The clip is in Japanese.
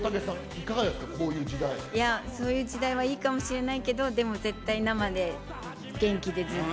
いや、そういう時代はいいかもしれないけど、でも、絶対、生で元気でずっと。